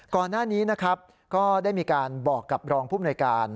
ก่อนหน้านี้นะครับก็ได้มีการบอกกับรองภูมิหน่วยการ